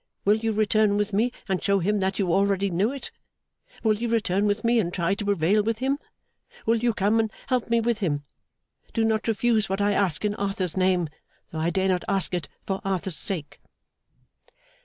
Will you return with me and show him that you already know it? Will you return with me and try to prevail with him? Will you come and help me with him? Do not refuse what I ask in Arthur's name, though I dare not ask it for Arthur's sake!